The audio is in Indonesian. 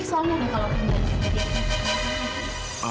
soalnya kalau kembali dia akan